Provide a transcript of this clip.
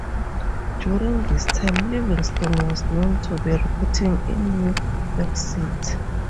During this time, Livingston was known to be recruiting in New York City.